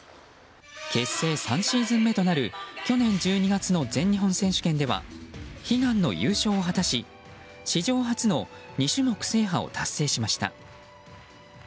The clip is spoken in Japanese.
結成３シーズン目となる去年１２月の全日本選手権では悲願の優勝を果たし史上初の２種目制覇を達成しました。